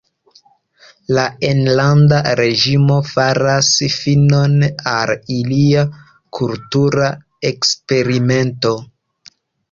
La enlanda reĝimo faras finon al ilia kultura eksperimento.